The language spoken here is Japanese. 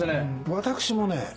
私もね